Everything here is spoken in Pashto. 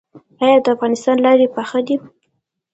آیا د افغانستان لارې پاخه دي؟